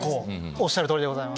おっしゃる通りでございます。